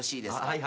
はい？